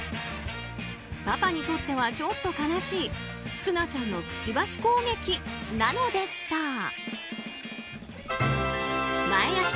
パパにとってはちょっと悲しいつなちゃんのくちばし攻撃なのでした。